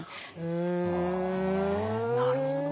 なるほど。